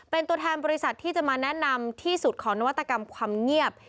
เป็นตัวแทนบริษัทที่จะมาแนะนำที่สุดของนวัตกรรมความเงียบ